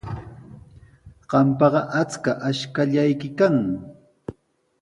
Qampaqa achka ashkallayki kan.